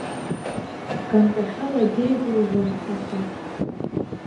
Ганкахьала деигәырӷьон, аха…